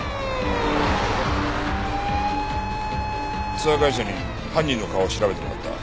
ツアー会社に犯人の顔を調べてもらった。